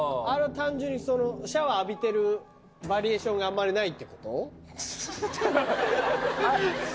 あれは単純にシャワー浴びてるバリエーションがあんまりないってこと？